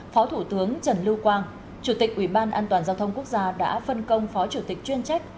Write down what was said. phó thủ tướng trần lưu quang chủ tịch ủy ban an toàn giao thông quốc gia đã phân công phó chủ tịch chuyên trách